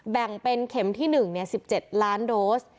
แบ่งเป็นเข็มที่หนึ่งเนี่ยสิบเจ็ดล้านโดซ